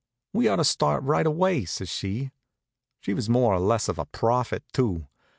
"We ought to start right away," says she. She was more or less of a prophet, too.